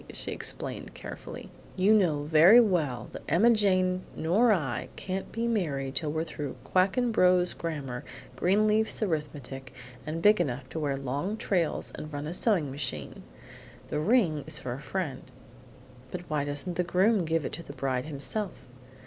she explained carefully. "You know very well that Emma Jane nor I can't be married till we're through Quackenbos's Grammar, Greenleaf's Arithmetic, and big enough to wear long trails and run a sewing machine. The ring is for a friend." "Why doesn't the groom give it to his bride himself?"